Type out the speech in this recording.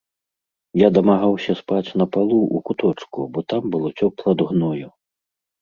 Я дамагаўся спаць на палу, у куточку, бо там было цёпла ад гною.